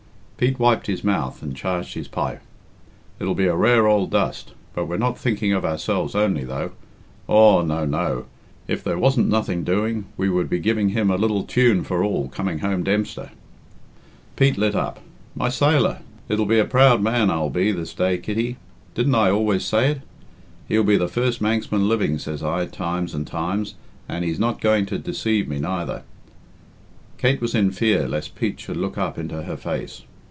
Pete wiped his mouth and charged his pipe. "It'll be a rare ould dust, but we're not thinking of ourselves only, though. Aw, no, no. If there wasn't nothing doing we would be giving him a little tune for all, coming home Dempster." Pete lit up. "My sailor! It'll be a proud man I'll be this day, Kitty. Didn't I always say it? 'He'll be the first Manxman living,' says I times and times, and he's not going to de ceave me neither." Kate was in fear lest Pete should look up into her face.